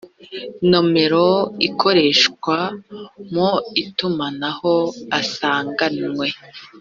nomero ikoreshwa mu itumanaho asanganywe